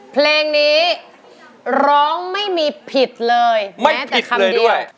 เพลงนี้ร้องไม่มีผิดเลยแม้แต่คำเดียวไม่ผิดเลยด้วย